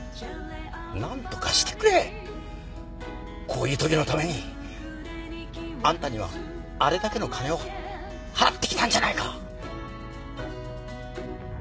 こういう時のためにあんたにはあれだけの金を払ってきたんじゃないか。